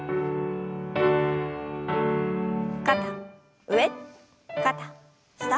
肩上肩下。